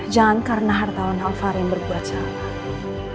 jangan karena hartawan alvarin berbuat sebabnya